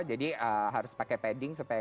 jadi harus pakai padding supaya